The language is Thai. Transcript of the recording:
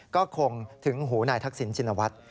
ก็คงถึงหูนายทักศิลป์ชินวัตร